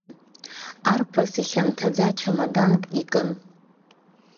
Арԥыс ихьанҭаӡа чамаданк икын.